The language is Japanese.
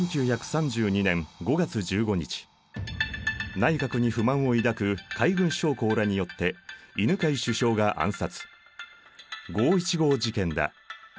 内閣に不満を抱く海軍将校らによって犬養首相が暗殺。